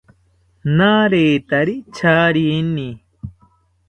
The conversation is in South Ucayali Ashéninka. Naretari charini